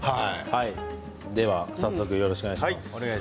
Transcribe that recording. では早速よろしくお願いします。